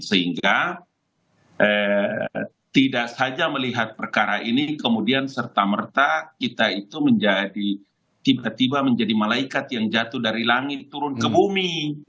sehingga tidak saja melihat perkara ini kemudian serta merta kita itu menjadi tiba tiba menjadi malaikat yang jatuh dari langit turun ke bumi